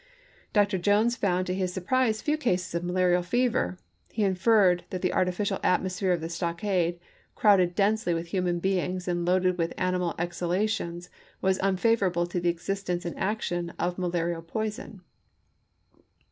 Dr. Jones p 637. found to his surprise few cases of malarial fever ; he inferred " that the artificial atmosphere of the stockade, crowded densely with human beings, and loaded with animal exhalations, was unfavorable to the existence and action of malarial poison."